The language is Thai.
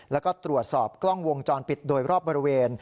แล้วก็ตรวจสอบกล้องวงจรปิดโดยรอบบริเวณ